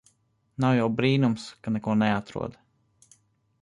Nav jau brīnums ka neko neatrod.